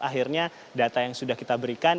akhirnya data yang sudah kita berikan